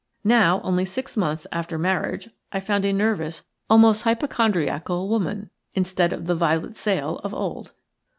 Now, only six months after marriage, I found a nervous, almost hypochondriacal, woman instead of the Violet Sale of old.